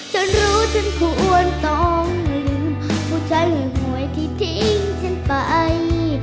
ฉันรู้ฉันควรต้องลืมผู้ใจหวยที่ทิ้งฉันไป